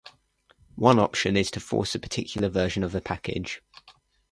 One option is to force a particular version of a package.